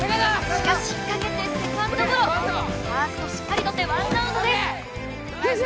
しかし引っかけてセカンドゴロファーストしっかり捕ってワンナウトです・ナイス！